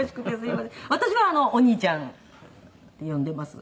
私は「お兄ちゃん」って呼んでます。